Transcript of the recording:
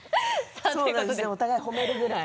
お互いに褒めるぐらい。